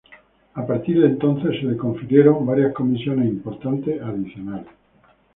Desde entonces se le confirieron varias comisiones importantes adicionales.